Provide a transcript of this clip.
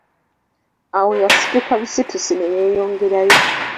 Awo yasituka busitusi ne yeeyongerayo.